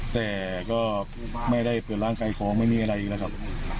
แต่ก็ไม่ได้เปิดร่างกายของไม่มีอะไรอีกนะครับ